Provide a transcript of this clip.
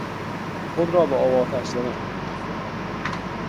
خود را به آب و آتش زدن